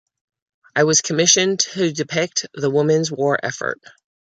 I was commissioned to depict the women's war effort.